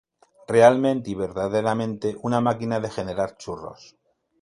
Realmente y verdaderamente, una máquina de generar churros..